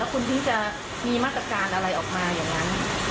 คุณที่จะมีมาตรการอะไรออกมาอย่างนั้น